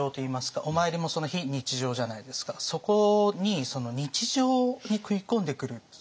そこに日常に食い込んでくる。